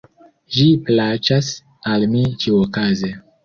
Ĝi plaĉas al mi ĉiuokaze!